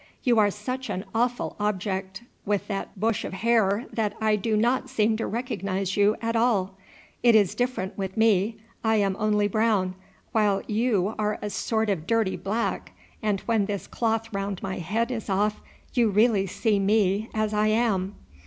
You are such an awful object with that bush of hair that I do not seem to recognize you at all. It is different with me. I am only brown, while you are a sort of dirty black, and when this cloth round my head is off you really see me as I am."